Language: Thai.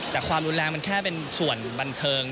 แต่ความรุนแรงมันแค่เป็นส่วนบันเทิง